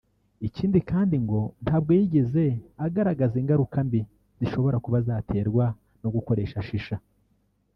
Ikindi kandi ngo ntabwo yigeze agaragaza ingaruka mbi zishobora kuba zaterwa no gukoresha Shisha